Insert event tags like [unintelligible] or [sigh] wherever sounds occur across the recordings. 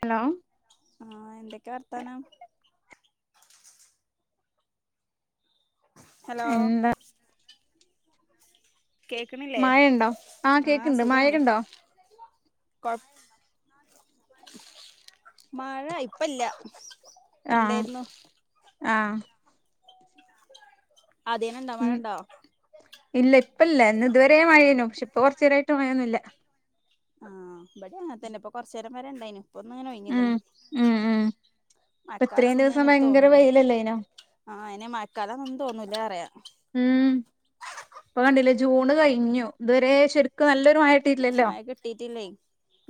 Hello ആഹ് എന്തൊക്കെയാ വർത്താനം? ഹലോ എന്താ കേക്കണില്ലേ മഴ ഇണ്ടോ? ആഹ് കേക്ക്ണ്ട് മഴ ഇണ്ടോ? കൊഴപ്പ് മഴ ഇപ്പ ഇല്ല. ആഹ് ഇണ്ടായിരുന്നു. ആഹ് ആദ്യേനണ്ടോ ഉം- മഴണ്ടോ ഇല്ല ഇപ്പല്ല, ഇന്ന് ഇതുവരെ മഴയായിനു. പക്ഷെ ഇപ്പൊ കൊറച്ചു നേരായിട്ട് മഴയൊന്നുയില്ല. ആഹ് ഇബടെ അതന്നെ. ഇപ്പൊ കൊറച്ച് നേരം വരെ ഇണ്ടായിനു. ഇപ്പ ഒന്ന് അങ്ങനെ ഉം ഒയിഞ്ഞേക്കണ്. ഉം ഉം ഇപ്പ ഇത്രേം ദിവസം ഭയങ്കര വെയിലല്ലേനോ? ആഹ് അയനെ മഴക്കാലാന്നൊന്നും തോന്നൂലാറിയ. ഇപ്പോ കണ്ടില്ലേ ജൂണ് കയിഞ്ഞു. ഇതുവരെ ശരിക്ക് നല്ല [unintelligible] മയ കിട്ടീട്ടില്ലേ.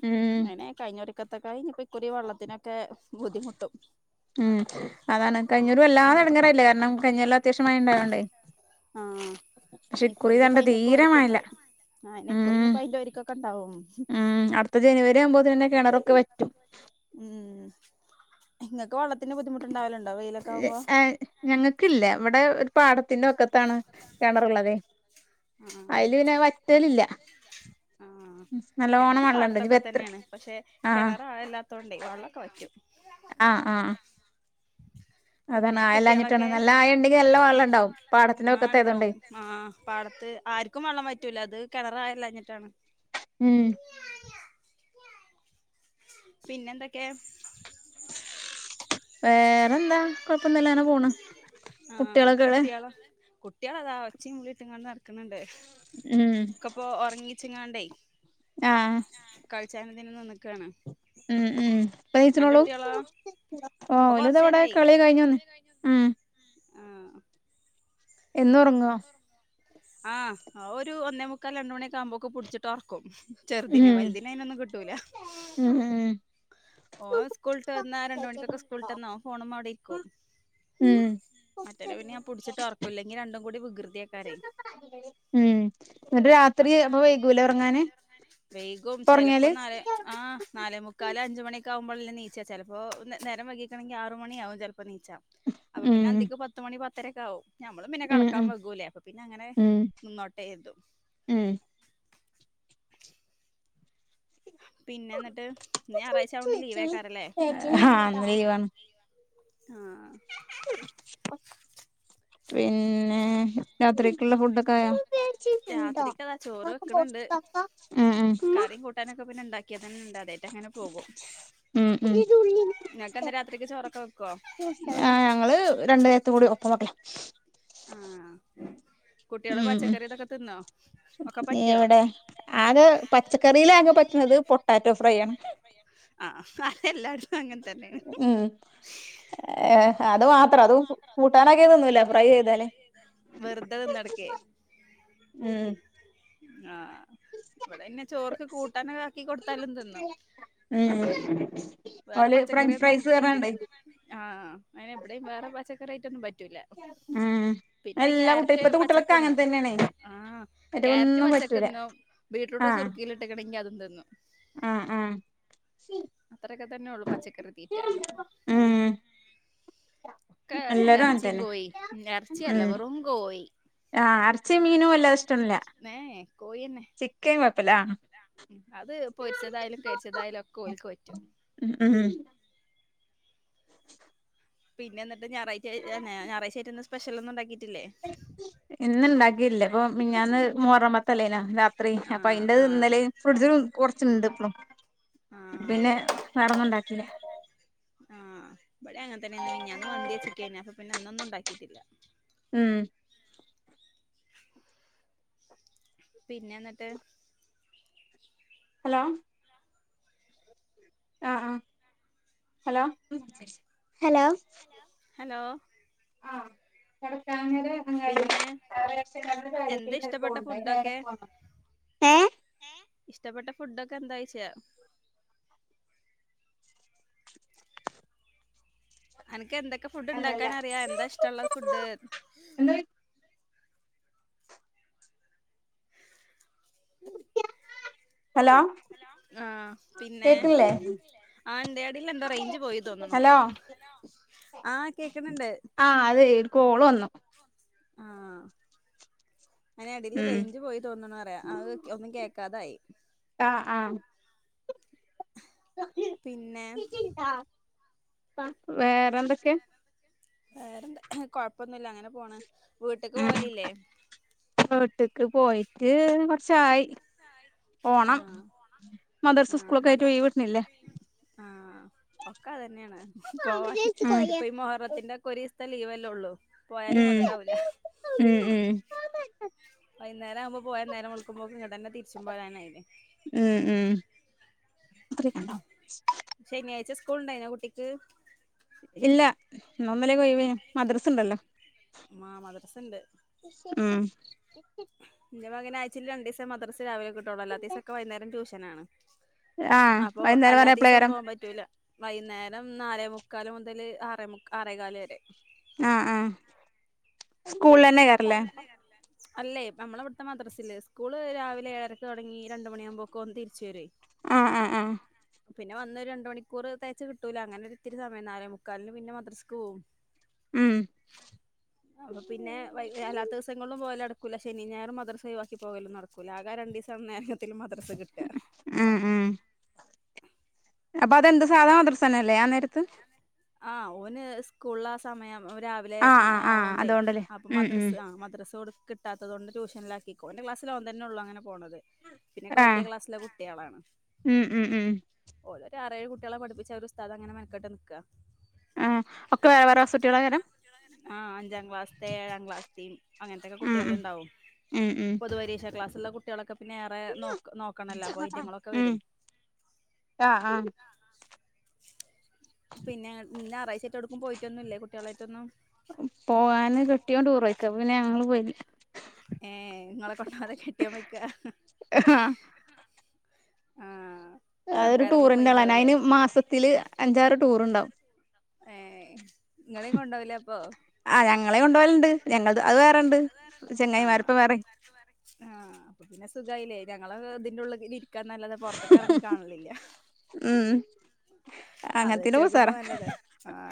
ഉം അങ്ങനെ കയിഞ്ഞ [unintelligible] തക്കത്തായി ഇനിപ്പൊ ഇക്കുറി വെള്ളത്തിനൊക്കെ ബുദ്ധിമുട്ടും. ഉം അതാണ്. കഴിഞ്ഞൂറി വല്ലാതെടങ്കേറായില്ലേ? കാരണം കഴിഞ്ഞോല്ലം അത്യാവശ്യം മഴ ഒണ്ടായതോണ്ട്. ആഹ് ഇക്കുറി ഇക്കുറിക്ക് ഇപ്പം ദാണ്ട അയീന്റെയൊക്കെ തീരെ മഴല്ല ഒരുക്കൊണ്ടാവും. ഇക്കുറി ഉം ഇനീപ്പോ അതിന്റെ ഒരുക്കം ഒക്കെ ഒണ്ടാവും. ഉം അടുത്ത ജനുവരി ആവുമ്പോ തന്നെ കെറൊക്കെ വറ്റും. ഉം ഇങ്ങക്ക് വെള്ളത്തിന്റെ ബുദ്ധിമുട്ട് ഒണ്ടാവല്ണ്ടോ? [unintelligible] ഏഹ് ഞങ്ങക്കില്ല. ഇവടെ ഒരു പാടത്തിന്റെ വക്കത്താണ് കെണറുള്ളതേ. ആഹ് അയില് പിന്നെ വറ്റലില്ല. ആഹ് [unintelligible] നല്ലോണം ഞങ്ങളും വെള്ളണ്ട് ഇനി പാടത്തൊക്കെ എത്ര തന്നെയാണ് പക്ഷെ ആഹ് കെണറ് ആഴല്ലാത്തോണ്ടെ വെള്ളോക്കെ വറ്റും. ആഹ് ആഹ് അതാണ്. പിന്നെ ആയയില്ലാഞ്ഞിട്ടാണ്. കുട്ടികളൊക്കെ നല്ല ആയയുണ്ടങ്കിൽ നല്ല വെള്ളം ഉണ്ടാവും പാടത്തിന്റെ വക്കത്ത് ആയോണ്ടേ. ആര്ക്കും വെള്ളം വറ്റൂല. അത് കെണറ് ആയയില്ലാഞ്ഞിട്ടാണ്. ഉം പിന്നെന്തൊക്കെ? വേറെന്താ? കൊഴപ്പൊന്നുല്ലാതെ ഇങ്ങനെ പോണ്. കുട്ടികളൊക്കെ എവിടെ? കുട്ട്യോളതാ ഒച്ചേം വിളീം ഇട്ട്കാണ്ട് നടക്കുന്ന്ണ്ട്- ഉം ഒക്കെ ഇപ്പോ ഒറങ്ങിയേച്ചങ്ങാണ്ടെ. ആഹ് ആഹ് [unintelligible] ഉം ഉം അന്റെ കയിച്ചണൂള്ളു കുട്ടികളോ ആഹ് ഇപ്പൊ ഓലുതാവിടെ കൊറച്ചേരായി കളി കയിഞ്ഞ് വന്നയാ ഉം എന്നും ഒറങ്ങുവോ? ആഹ് ആ ഒരു ഒന്നേ മുക്കാൽ രണ്ടുമണിയക്കെ ആവുമ്പോക്ക് പുടിച്ചിട്ട് ഒറക്കും. ചെറുതിനേ ഉം വലുതിനെ അയിനൊന്നും കിട്ടൂല ഉം ഉം ഓൻ സ്കൂളിട്ട് വന്നാ രണ്ട് മണിക്കൊക്കെ സ്കൂളിട്ട് വന്നാ ഓൻ ഫോണ് മ്മേ അവിടിരിക്കും ഉം മറ്റോനെ പിന്നെ ഞാൻ പുടിച്ചിട്ട് ഒറക്കും, ഇല്ലങ്കി രണ്ടും കൂടി വികൃത് ഉം ഇന്നിട്ട് രാത്രി അപ്പൊ വൈകൂലെ ഒറങ്ങാന് വെയ്കും ചെലപ്പോ നാലേ ആഹ് നാലേമുക്കാല് അഞ്ചുമണി ക്കാവുമ്പോൾ അല്ലെ എണീച്ച ചെലപ്പോ നേരം വൈകീക്കാണെങ്കിൽ ആറ് മണിയാകും ചെലപ്പോ അപ്പൊണീച്ച അപ്പൊ പിന്നെ ഉം അന്തിക്ക് പത്തുമണി പത്തരെക്കെയാവും. ഞമ്മളും പിന്നെ ഉം കെടക്കാൻ ഉം വകൂലേ, അപ്പൊ പിന്നെ അങ്ങനെ ഉം നിന്നോട്ടോ കരുതും. ഉം പിന്നെ ഇന്നിട്ട് ഇന്ന് ഞായറാഴ്ച്ചായോണ്ട് ലീവെക്കാറല്ലേ. ഹാ ഇന്ന് ലീവാണ് ആഹ് [unintelligible] പിന്നെ രാത്രിക്കുള്ള ഫുഡെക്കെയായോ? രാത്രിക്കതാ ചോറ് ഉം ഉം കൂട്ടാനെക്കെ പിന്നെ ഒണ്ടാക്കിയത്തന്നെണ്ടാതായിട്ട് അങ്ങനെ പോകും. ഉം ഉം ഇങ്ങക്കെന്താ രാത്രിക്ക് ചോറൊക്കെ വെക്കോ ആ ഞങ്ങള് രണ്ടു നേരത്തെക്കൂടി ഒപ്പമൊക്കെ. ആഹ് കുട്ടികള് പച്ചക്കറിയെ തൊക്കെ തിന്നോ? ഒക്കെ പറ്റോ എവെടെ? ആകെ പച്ചക്കറിയിലാകെ പറ്റണത് പൊട്ടാറ്റോ ഫ്രൈയാണ്. ആഹ് അതെല്ലാടത്തും അങ്ങനെത്തന്നെ. ഉം അത് മാത്രം അത് കൂട്ടാനാക്കിതൊന്നുമില്ല. ഫ്രൈ ചെയ്താല്. വെറുതെ തിന്നട്ക്കേ ഉം ആഹ്, ഇവിടെന്നെ ചോർക്ക് കൂട്ടാനെക്കെയാക്കി കൊടുത്താലും തിന്നും. ഉം വേറെ ഓല് ഫ്രഞ്ച് പച്ചക്കറിയൊന്നും ഫ്രൈസ് പറ്റില്ല. പറഞ്ഞാണ്ടേ ആഹ് അവെടെ വെറെ പച്ചക്കറിയൈറ്റം പറ്റ് ഉം പിന്നെ എല്ലാ കുട്ടി ക്യാരറ്റ് ഇപ്പത്തെ കുട്ടികളൊക്കെ അങ്ങനെ പച്ചക്കിന്നും തന്നെയാണേ ആ മറ്റേ ക്യാരറ്റ് ഒന്നും പറ്റൂല പച്ചക്കിന്നും ബീറ്റ്റൂട്ട് ആഹ് കുറുക്കിയിലിട്ടേക്കണെങ്കി അതും തിന്നു. ആഹ് ആഹ് അക്കെതന്നെയൊള്ളു പച്ചക്കറി തീറ്റ. ഉം ഒക്കെ എല്ലാരും അങ്ങനെ എറച്ചിയും തന്നെ കോയിയും എറച്ചിയല്ല. ഉം വെറും കോയി. ആഹ് അറച്ചി മീനുവെല്ലാഷ്ടില്ല. ഏഹ് കോഴിന്നെ ചിക്കൻ കൊഴപ്പില്ല. ആഹ്. അത് പൊരിച്ചതായാലും തേച്ചതായാലെക്കെ ഓൾക്ക് പറ്റും. ഉം ഉം പിന്നെ എന്നിട്ട് ഞായറാഴ്ച്ച ഞായറാഴ്ച്ചായിട്ടൊന്നും സ്പെഷ്ലൊന്നും ഒണ്ടാക്കിട്ടില്ലേ? ഇന്ന് ഉണ്ടാക്കിയില്ല. അപ്പൊ മിനിഞ്ഞാന്ന് മോറമത്തലേയനാ രാത്രി. അപ്പൊ ആഹ് ആഹ് അതിന്റെന്നിലെയും ഫ്രിഡ്ജ്. കൊറച്ചിണ്ട് ഇപ്പളും ആഹ് പിന്നെ വെറൊന്നുണ്ടാക്കില്ല. ആഹ് ഇവെടെ അങ്ങെ തന്നെയാന്ന് മിനഞ്ഞാന്ന് മന്തി വച്ചേക്കാന് അപ്പ പിന്നെ. ഒന്നും ഉണ്ടാക്കിട്ടില്ല. ഉം പിന്നെ എന്നിട്ട്? ഹലോ ആഹ് ഹ ഹലോ ഹലോ ഹലോ ആഹ് പട ചാങ്ങെര അങ്ങാടി. പിന്നെ ചാങ്ങെരെക്ഷൻ കടന്ന് കാര്യക്കി എന്താ വെരെ ഇഷ്ടപ്പെട്ട പോകേണ്ടേ? നേരെ ഫുഡൊക്കെ പോണം. ഏ ഇഷ്ടപ്പെട്ട ഫുഡൊക്കെ എന്താച്ചേ? എനക്ക് എന്തൊക്കെ ഫുഡ് അല്ലല്ല ഇണ്ടാക്കാൻ അറിയാ. എന്താഷ്ടമൊള്ള ഫുഡ്. എന്താ ഹലോ ആഹ് പിന്നെ കേക്ക്ണില്ലേ ആ എന്തേടില്ലേന്താ റേഞ്ച് പോയണെന്ന് തോന്നണു. ഹലോ ആഹ് അതേ രു കോള് വന്നു. ആഹ് അയനടില് ഉം റേഞ്ച് പോയി തോന്നെണെന്ന് പറയാ. അത് ഒന്നും കേക്കാതായി. ആഹ് ആഹ് പിന്നെ വേറെ എന്തൊക്ക വേറെന്താ കൊഴപ്പ ന്ന അങ്ങനെ പോണ വീട്ടക്ക് പോവലില്ലേ ചായ് ഓണം ആഹ് മദർസ് സ്കൂളൊക്കെ ആയിട്ട് പോയി വീട്ടുന്നില്ലേ ആഹ ഒക്കെ അതന്നെയാണ് പോവാാന ഇപ്പൊ ഈ മഹർത്തിന്റെ ഒക്കെ ഒരു ലീവല്ലേ ഉള്ളൂ ഉം ഉം ഉം വൈകേരം ആകുമ്പോ പോയ നേരം വിളക്കുമ്പോ തന്നെ തിരിച്ച തുമ്പ ചാന ഇത് അത്രക്കണ്ടോ എപ്പോളണ്ടായിന കുട്ടിക്ക് ഇല്ല എന്നൊന്നല്ലേ കൊയന മദ്രസ് ഉണ്ടല്ലോ ആ മദ്രസ ഉണ്ട് ചപ്പി എൻന്റെ മകൻ ആച്ച രണ്ട് ദസം മദ്ര രാവില കിട്ടുള്ളൂല്ലാ ദിവസ ഒെ വകരം ടൂഷനാണ് ആഹ് വൈകുന്നേരം പറഞ്ഞപ്പളേകരം വൈകുന്നേരം നാലേ മുക്കാല് മുതല് ആറേ ആറേകാല വരെ ആഹ ആഹ സ്കൂള തന്നെ കേറല്ലേ അല്ലേ നമ്മള ഇവിടുത്തെ മദ്രാസൽ സ്കൂള് രാവില ഏരക്കക്ക് തുടങ്ങി രണ്ട് മണിയാകുമ്പോൊക്കെ ഒന്ന് രിച്ച് വരുവേ ആഹ ആഹ ആഹ പിന്നെ വന്ന രണ്ട മണിക്കൂർ തേച്ചു കിട്ടൂല അങ്ങനെ ഒത്തിരി സമയം നാലേ മുക്കാലിന് പിന്നെ മദ്രാസക്ക് പോകവും ഉം എല്ലാ ദിവസങ്ങളും പോല നടക്കൂില്ല ശനി ിയായരും മർസൈവവാക്കി പോലും നടക്കൂ ആെ ര ദിവസ നേരത്തിും പത്ര കിട്ട ഉം ഉം അപ്പൊ അതെന്ത് സാധനം മാത്രസ്ഥാനല്ലേ ഞാൻ നേരത്ത് ആഹ് ഓന് സ്കൂളില ആ സമയം രാവിലെ ആഹ് ആഹ് ആഹ് ആവണ്ടേ അതോണ്ടല്ലേ അപ്പൊ ഉം ഉം മദ്രസ് ആ മദ്രസ് കൊടു കിട്ടത്തുകൊ ട്യൂഷനിലാക്കിോും എന്റെ ക്ലാസ്സൽ ഒന്ന തന്നെ ഉള്ള അനെ പോത് പിന്നൊക്കെ ആഹ് വലിയ ക്ലാസ്സിലെ കുട്ടികളാണ് ഉം ഉം ഉം ഓരോ ആറേഴ് കുട്ട ള പഠിപ്പിച്ച ഒരു സ്ഥ അങ്ങനെനക്കട്ട് നിക്കുക ആ ഒക്കെ വേറെ വേറെ സുട്ടികള നേരം ആ് അഞ്ചാം ക്ലാസ്സത്തെ ഏഴാം ക്ലാസ്സത്തെയയും അങ്ങനത്തെൊക്കെ ഉം ഉം കുട്ടികള ഉണ്ടാവും ഉം ഉം പൊതു പരീക്ഷാ ക്ലാസ് ചല്ല കുട്ടികളക്കെ പി ഏറെ നോ നോക്കണല്ല പൈറ്റങ്ങളൊക്കെ വരും ഉം പിന്നെ നിന്ന് ആറാ്ചായിട്ട് എടുക്കും പോയിട്ടൊന്നുമല്ലേ കുട്ടികളായിട്ടൊന്നും പോവാാന് കിട്ടിയോ ടൂർോയ്ക്ക പിന്നെ ഞങ്ങള് പോയില്ല ഏർ നിങ്ങളെ കൊണ്ട പോതെ കെട്ടിയ വക്ക അതൊരു ടൂറിണ്ടള പോയിണ്ടാവൂലേ അയിന് മാസത്തില് അഞ്ചാറ് ടൂറുണ്ടാാവും ഏ ഇങ്ങളെയും കൊണ്ടോവുലേ അപ്പൊ ആ ഞങ്ങളെ കൊണ്ടപോലുണ്ട് ഞങ്ങ അത് വേറെണ്ട് ആ ചെങ്ങായിമാരപ്പം വേറെ ആ അപ്പ പിന്നെ സുഖമായില്ലേ ഞങ്ങള് ഇതിന്റെ ഉള്ള ഇരിക്കാൻ നല്ലത് പുൊറത്തൊക്കെ ഇറങ്ങി കാണലില്ല ഉം അത് അങ്ങനത്തിന് വെച്ചോക്കുമ്പോ ഉസാറാ നല്ലതല്ല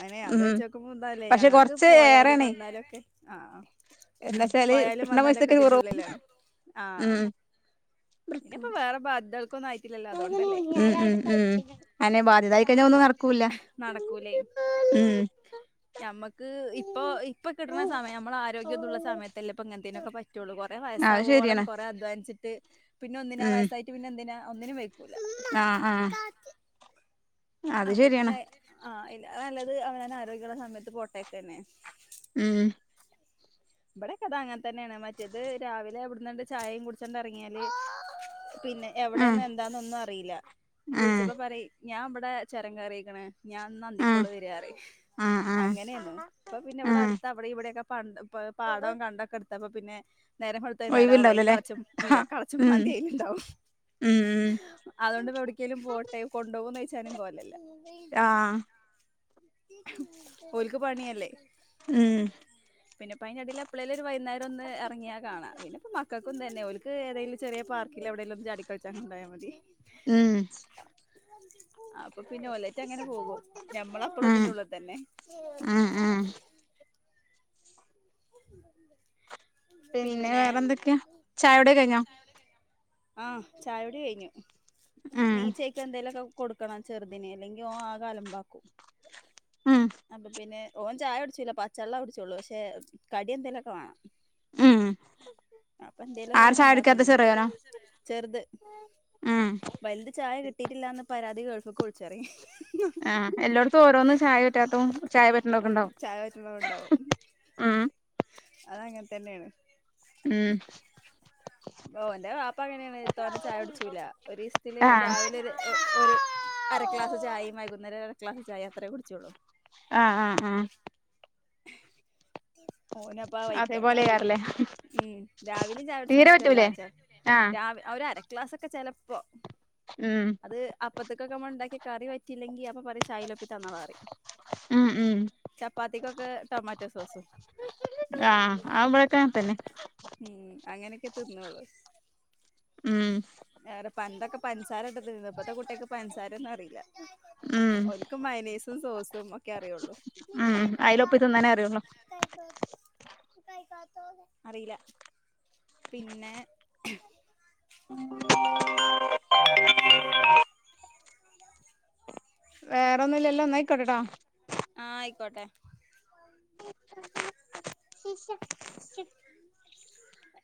അങ്ങനെ അത് ഉം വെച്ച നക്കുമ്പോ എന്താല്ലേ പക്ഷെ ഞങ്ങൾക്ക് കൊറച്ച് പോയാലും വന്നാലൊക്കെ ആ എന്നന്താ സ പോയാലും വന്നാലുംൊക്കെ ഇതിന്റെ ഉള്ളിലാണ് ആ ഉം ഇനിയിപ്പോ വേറെ ബ പൊന്നും ആയിട്ടില്ലല്ലോ അതൊണ്ടല്ലേ ഉം ഉം ഉം അനെ ബാധ്യതായി കഴിഞ്ഞ ഒന്നും ഇറക്കൂില്ല ഉ നമ്മക്ക് ഇപ്പൊ ഇപ്പ കിട്ടണ സമയം നമ്മള ആരോഗ്യംതള്ള സമയത്തല്ലേ പ്പ അങ്ങനത്തേനൊക്കെ പറ്റുള്ളൂ കൊറെ അത് വയസാവോളം ശരിയാണ് കുറെ അധ്ാനിച്ചിട്ട് പിന്നെ ഒന്നതിനാ വയസായിട്ട് പിന്നെ എന്തിനാ ഒന്നന് വെ ആഹ് ആഹ് അത് അപ്പൊ ശരിയാണ്. പിന്നെ ആഹ് അയില് നല്ലത് അവനാന് ആരോഗ്യള്ള സമയത്ത് പോട്ടേക്ക തന്നെ. ഉം ഇവിടെക്കെ അത അങ്ങനെ തന്നെയാണ് മറ്റേത് രാവിലെ ഇവിടുന്നുണ്ട് ചായയും കുടിച്ചോണ്ട് ഇറങ്ങിയാല് പിന്നെ ആ എവിടെന്ന എന്താന്ന ഒന്നും അറിയില്ല ആ വിളിച്ചപ്പോ പറ ഞാൻ ഇവിടെ ചരം കയറിയിക്കണ് ഞാൻ ഇന്ന് ആ അന്തിക്കൊള്ള വരപറയും ആഹ് ആഹ് അങ്ങനെയന്നോ ഇപ്പൊ പിന്നെ ഇവിടെ ആഹ് അടുത്ത അവിടെ ഇവിടെൊക്കെ പണ്ട് പോ പാടം കണ്ടൊക്കെ എടുത്തപ്പ പിന്നെ. നേരം വെളുത്തു വൈന്നേരം ആവോളം ആയില് ഒഴിവുണ്ടാവൂലല്ലേ കളച്ചും ആ കളച്ചും ഉം മാന്തി അയിലുണ്ടാവും. ഉം ഉം അതുകൊണ്ട്പ്പോ എവിടക്കലും പോട്ടെ കൊണ്ടുപോവോന്ന് ചോയ്ച്ചാലും കോലല്ല. ആ ഒല്ക്ക് പണിയല്ലേ. ഉം പിന്നെപ്പതിന് ഇടയില് എപ്പേള്ല് വൈനേരം ഒന്ന് ഇറങ്ങിയാ കാണ. പിന്നെ ഇപ്പൊ മക്കക്കും തന്നെ ഓല്ക്ക് ഏതേലും ചെറിയ പാർക്കിലെവിടേലും ഒന്ന് ചാടി ക ക്കോണ്ടായ മതി. [inaudible] അപ്പൊ പിന്നെ ഒലറ്റ അങ്ങനെ പോകും ഞമ്മള അപ്പളും ഇതിന്റെ ഉള്ളി തന്നെ. ആ [inaudible] പിന്നെ വേറെന്തൊക്കെയാ? ചായകുടി കഴിഞ്ഞാ? ആ ചായോടി കഴിഞ്ഞു. ഉം നീച്ചയ്ക്ക എന്തേലുക്കെ കൊടുക്കണം ചെറുതിന് അല്ലെങ്കി ഓ ആകെ അലംമ്പാക്കും. ഉം അപ്പൊ പിന്നെ. ഓൻ ചായ കുടിച്ചൂല പച്ചള്ളം കുടിച്ചള്ളൂ പക്ഷെ കടി എന്തേലോക്കെ വേണം. ഉം അപ്പൊ എന്തേലൊക്കെ ആര് അങ്ങന ചായ കുടിക്കാത്തെ ഉണ്ടാക്കുന്നു ചെറിയോനോ ചെറുത് ഉം വലുത് ചായ കിട്ടിയിട്ടില്ലാന്ന് പരാതി ഗൾഫക്ക് വുളിച്ച്പറിം. ആ എല്ലാടത്തും ഓരോന്നും ചായ പറ്റാത്തും ചായ പറ്റേണ്തൊക്കെ ഉണ്ടാവും. ണ്ടാവും ഉം അതങ്ങനെ തന്നെണ്. ഉം ഓന്റെ വാപ്പ അങ്ങനെയാണ് തോനെ ചായ കുടിചൂല്ല. ഒരു ഇസത്തില് ആഹ് രാവിലെ ഒര് അര ക്ലാസ് ചായ വൈകുന്നരം അര ക്ലാസ് ചായ അത്രേ കുടിച്ചുള്ളൂ. ആ ആ ആ [inaudible] ഓനപ്പ ആ അതെ വൈക്കാണ് പോലെ കാരല്ലേ? ഉം രാവിലും ചായകുട്ച്ച്ണതും ഇഷ്ടല്ല. പറ്റൂലേ ആഹ് ഒര് അര ക്ലാസ്ക്കെ ചെല്പ്പോ ഉം അത് അപ്പത്തിക്കൊക്കെ നമ്മ ഉണ്ടാക്കി കറി പറ്റില്ലെങ്കി അപ്പ പറി ചായലൊപ്പി തന്നള പറി ഉം ഉം ചപ്പാത്തിക്കൊക്കെ ടൊമാറ്റോ സോസും. ആ ആ ഇബാടൊക്കെ അങ്ങനെതന്നെ അങ്ങനൊക്കെ തിന്നോളു. ഉം പണ്ടോക്കെ പഞ്സാര ഇട്ട് ത്തിന്ന് ഇപ്പത്തെ കുട്ടിക്ക് പഞ്സാര ഒനും അറിയില്ല. ഉം ഒല്ക്ക് മൈനീസും സോസും ഒക്കെ അറിയുള്ളൂ. ഉം അയിലൊപ്പിതിന്നാനേ അറിയുള്ളൂ അറിയില്ല പിന്നെ വേറെ ഒന്നുല്ലല്ലോ എന്നാ അയിക്കോട്ടെട്ടോ. ആ ആയിക്കോട്ടെ [inaudible]